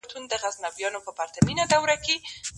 پېژندلی پر ایران او پر خُتن وو